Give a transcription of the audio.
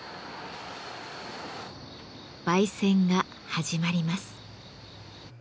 焙煎が始まります。